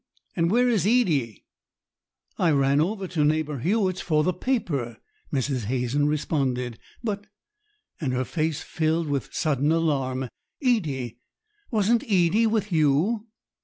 And where is Edie?" "I ran over to neighbour Hewett's for the paper," Mrs. Hazen responded. "But"—and her face filled with sudden alarm—"Edie? Wasn't Edie with you?"